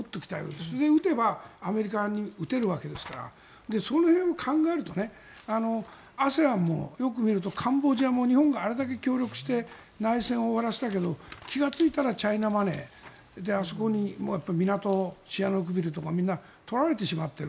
それで撃てばアメリカに撃てるわけですからその辺を考えるとＡＳＥＡＮもよく見るとカンボジアも日本があれだけ協力して内戦を終わらせたけど気がついたらチャイナマネーであそこに港みんな取られている。